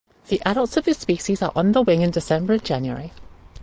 The adults of this species are on the wing in December and January.